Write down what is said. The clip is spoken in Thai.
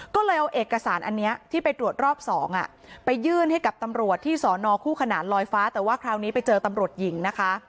ก็เลยเอาเอกสารอันนี้ที่ไปตรวจรอบ๒ไปยื่นให้กับตำรวจที่สอนอคู่ขนานลอยฟ้าแต่ว่าคราวนี้ไปเจอตำรวจหญิงนะคะ